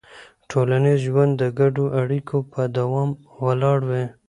ټولنیز ژوند د ګډو اړیکو په دوام ولاړ وي.